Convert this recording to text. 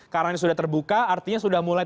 karena ini sudah terbuka artinya sudah mulai